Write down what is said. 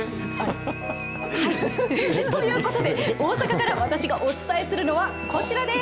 ということで、大阪から私がお伝えするのはこちらです。